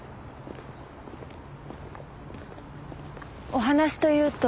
お話というと？